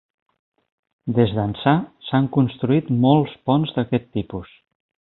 Des d'ençà, s'han construït molts ponts d'aquest tipus.